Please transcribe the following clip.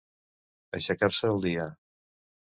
Aixecar-se el dia.